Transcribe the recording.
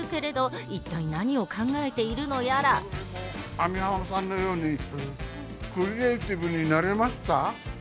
網浜さんのようにクリエーティブになれますか？